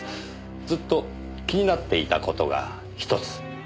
ずっと気になっていた事が１つ。